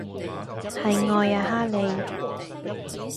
係愛呀哈利